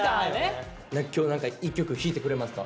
今日何か一曲弾いてくれますか？